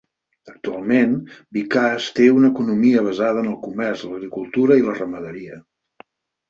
Actualment, Bicas té una economia basada en el comerç, l'agricultura i la ramaderia.